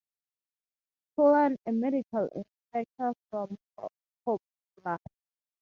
Cullen, a medical inspector from Poplar.